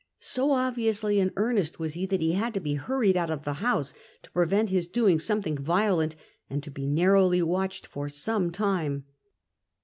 So obviously in earnest was he, that he had to be hurried out of the house to prevent his doing something violent, and to be narrowly watched for some time.